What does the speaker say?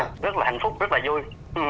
rất là hạnh phúc rất là vui